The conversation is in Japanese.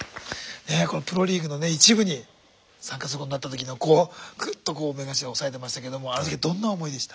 このプロリーグの１部に参加することになった時のこうグッと目頭押さえてましたけどあの時はどんな思いでした？